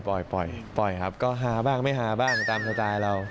ปล่อยปล่อยครับก็ฮาบ้างไม่ฮาบ้างตามสไตล์เรา